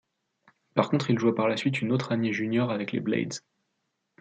Par contre, il joua par la suite une autre année junior avec les Blades.